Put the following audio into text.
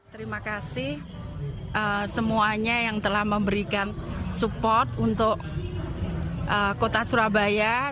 terima kasih semuanya yang telah memberikan support untuk kota surabaya